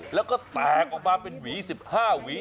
แล้วก็แตกออกมาเป็นหวี๑๕หวี